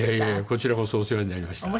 こちらこそお世話になりました。